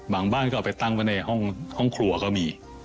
บ้านก็เอาไปตั้งไว้ในห้องครัวก็มี